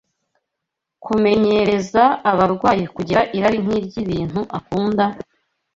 kumenyereza abarwayi kugira irari nk’iry’ibintu akunda,